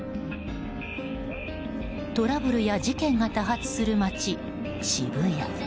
トラブルや事件が多発する街渋谷。